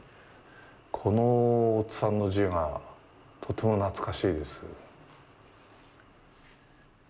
この大津さんの字がとても懐かしいです。